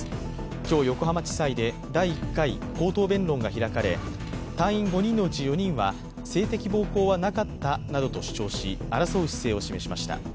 今日、横浜地裁で第１回口頭弁論が開かれ、隊員５人のうち４人は性的暴行はなかったなどと主張し争う姿勢を示しました。